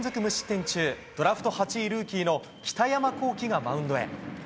無失点中ドラフト８位ルーキーの北山亘基がマウンドへ。